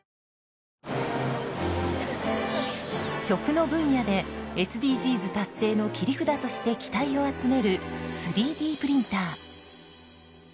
食の分野でＳＤＧｓ達成の切り札として期待を集める３Ｄプリンター。